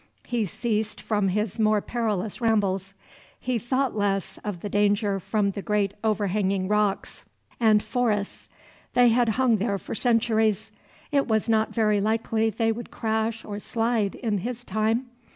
He ceased from his more perilous rambles. He thought less of the danger from the great overhanging rocks and forests; they had hung there for centuries; it was not very likely they would crash or slide in his time.